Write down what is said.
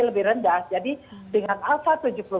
lebih rendah jadi dengan alpha